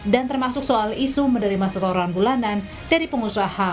dan termasuk soal isu menerima setoran bulanan dari pengusaha